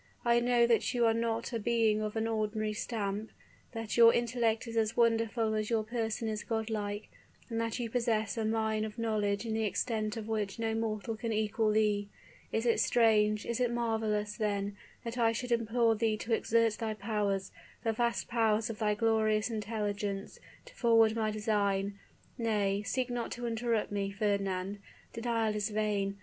"I know that you are not a being of an ordinary stamp, that your intellect is as wonderful as your person is godlike, and that you possess a mine of knowledge in the extent of which no mortal can equal thee. Is it strange is it marvelous, then, that I should implore thee to exert thy powers the vast powers of thy glorious intelligence, to forward my design? Nay, seek not to interrupt me, Fernand, denial is vain!